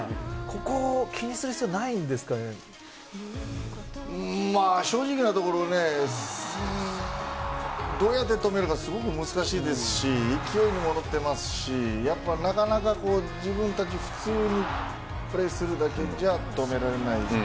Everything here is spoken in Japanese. ここを気にする必要正直なところねどうやって止めるかすごく難しいですし勢いにも乗ってますしやっぱなかなか自分たち普通にプレーするだけじゃ止められないです。